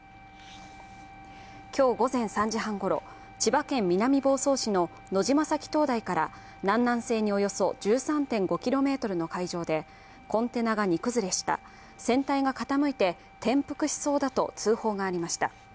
今日午前３時半ごろ、千葉県南房総市の野島埼灯台から南南西におよそ１３．５ｋｍの海上で、コンテナが荷崩れした、船体が傾いて転覆しそうだと通報がありました。